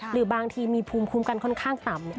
หรือบางทีมีภูมิคุ้มกันค่อนข้างต่ำ